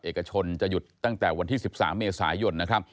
เอกชนจะหยุดตั้งแต่วันที่๑๓เมษายนนะครับ